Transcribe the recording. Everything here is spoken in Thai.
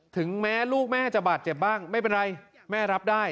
ถึงแม้ลูกแม่จะบาดเจ็บบ้างไม่เป็นไรแม่รับได้